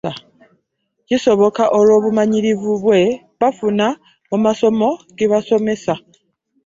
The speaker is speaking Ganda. Kisoboka olw'obumanyirivu bwe bafuna mu masomo ge babasomesa.